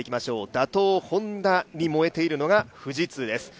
打倒・Ｈｏｎｄａに燃えているのが富士通です。